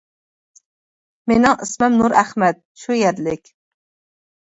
-مېنىڭ ئىسمىم نۇر ئەخمەت، شۇ يەرلىك.